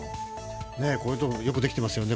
こういうところもよくできていますよね